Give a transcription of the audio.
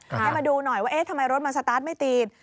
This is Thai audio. ให้มาดูหน่อยว่าเอ๊ะทำไมรถมันสตาร์ทไม่ติด